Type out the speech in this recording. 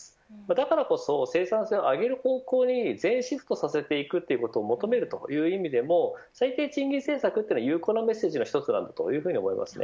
だからこそ生産性を上げる方向に全シフトさせていくということも求めるという意味でも最低賃金政策は有効なメッセージの一つだと思います。